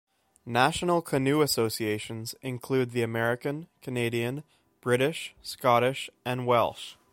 National canoe associations include the American, Canadian, British, Scottish, and Welsh.